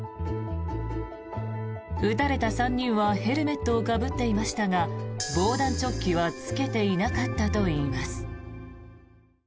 撃たれた３人はヘルメットをかぶっていましたが防弾チョッキは着けていなかったといいます。